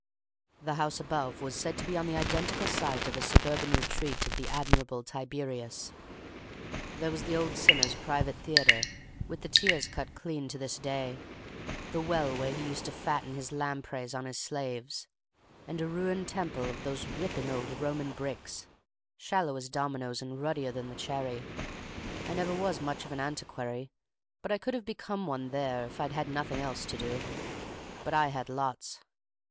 "The house above was said to be on the identical site of a suburban retreat of the admirable Tiberius; there was the old sinner's private theatre with the tiers cut clean to this day, the well where he used to fatten his lampreys on his slaves, and a ruined temple of those ripping old Roman bricks, shallow as dominoes and ruddier than the cherry. I never was much of an antiquary, but I could have become one there if I'd had nothing else to do; but I had lots.